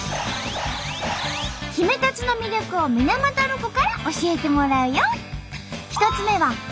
ヒメタツの魅力を水俣ロコから教えてもらうよ。